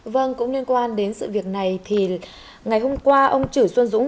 vâng cũng liên quan đến sự việc này thì ngày hôm qua ông chử xuân dũng